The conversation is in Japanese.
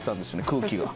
空気が。